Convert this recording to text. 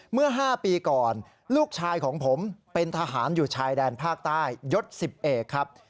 เมื่อ๕ปีก่อนลูกชายของผมเป็นทหารอยู่ชายแดนภาคใต้ยศ๑๐เอกครับ